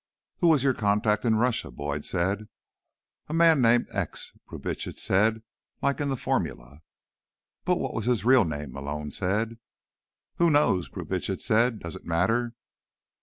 "Who was your contact in Russia?" Boyd said. "A man named X," Brubitsch said. "Like in the formula." "But what was his real name?" Malone said. "Who knows?" Brubitsch said. "Does it matter?"